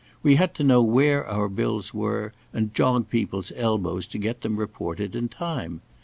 We had to know where our bills were, and jog people's elbows to get them reported in time.